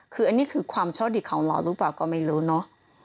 คืออันนี้คือความโชคดีของเราหรือเปล่าก็ไม่รู้เนอะ